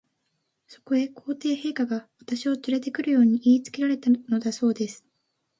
そこへ、皇帝陛下が、私をつれて来るよう言いつけられたのだそうです。